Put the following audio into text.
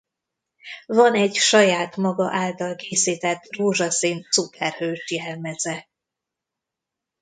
Van egy saját maga által készített rózsaszín szuperhős jelmeze.